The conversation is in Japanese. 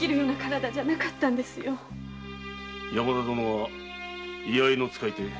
山田殿は居合の遣い手。